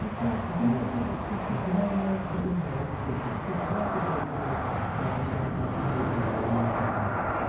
しかしウクライナ事件が起きてそのあとでアメリカの関心がインド太平洋地域にやってくる。